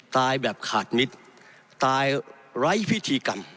ตายแบบขาดมิตรตายไร้พิธีกรรม